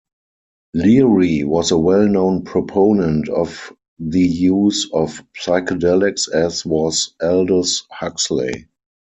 Leary was a well-known proponent of the use of psychedelics, as was Aldous Huxley.